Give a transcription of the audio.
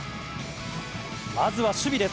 まずは守備です。